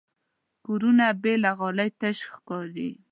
کورونه بې له غالۍ تش ښکاري.